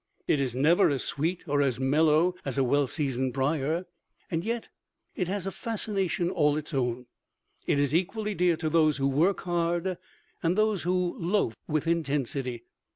It is never as sweet or as mellow as a well seasoned briar, and yet it has a fascination all its own. It is equally dear to those who work hard and those who loaf with intensity.